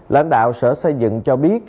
lãnh đạo sở xây dựng cho biết